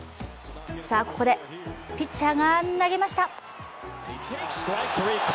ここでピッチャーが投げました。